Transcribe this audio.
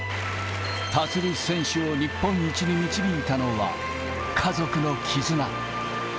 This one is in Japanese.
立選手を日本一に導いたのは、家族の絆。